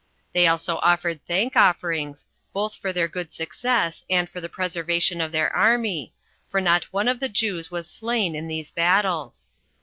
They also offered thank offerings, both for their good success, and for the preservation of their army, for not one of the Jews was slain in these battles.